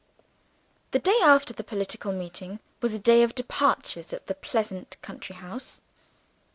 The day after the political meeting was a day of departures, at the pleasant country house.